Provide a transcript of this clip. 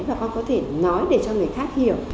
và con có thể nói để cho người khác hiểu